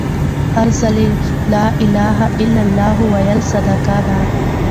هر ځل لا إله إلا لله ويل صدقه ده